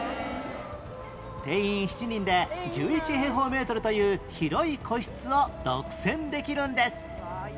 定員７人で１１平方メートルという広い個室を独占できるんです